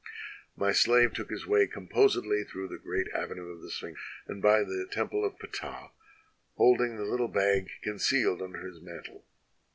"My slave took his way composedly through the great avenue of Sphinxes, and by the temple of Ptah, holding the little bag concealed under his mantle.